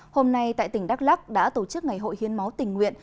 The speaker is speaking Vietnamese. hôm nay tại tỉnh đắk lắc đã tổ chức ngày hội hiến máu tình nguyện